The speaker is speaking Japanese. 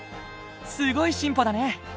すごい進歩だね。